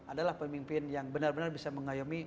adalah pemimpin yang benar benar bisa mengayomi